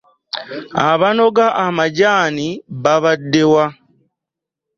Abanoga amajaani babadde wa?